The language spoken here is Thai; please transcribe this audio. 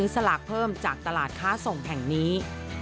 สลากเพิ่มจากตลาดค้าส่งแห่งนี้